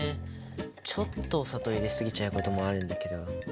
ちょっとお砂糖入れ過ぎちゃうこともあるんだけど。